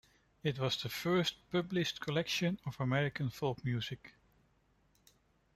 It was the first published collection of American folk music.